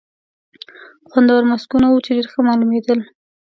خوندور ماسکونه وو، چې ډېر ښه معلومېدل.